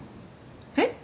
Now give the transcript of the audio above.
えっ？